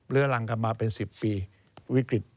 รังกันมาเป็น๑๐ปีวิกฤต